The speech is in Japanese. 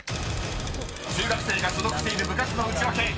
［中学生が所属している部活のウチワケ］